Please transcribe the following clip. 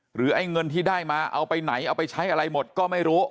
ไอ้เงินที่ได้มาเอาไปไหนเอาไปใช้อะไรหมดก็ไม่รู้